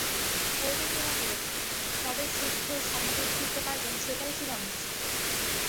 কোর্টে ফেরা দূরে থাক, কবে সুস্থ-স্বাভাবিক ফিরতে পারবেন সেটাই ছিল অনিশ্চিত।